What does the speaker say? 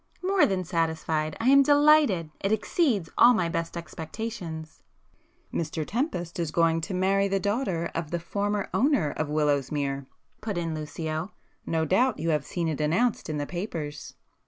"More than satisfied—I am delighted. It exceeds all my best expectations." "Mr Tempest is going to marry the daughter of the former owner of Willowsmere,"—put in Lucio,—"No doubt you have seen it announced in the papers?"